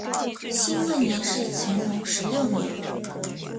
辛未年是乾隆十六年。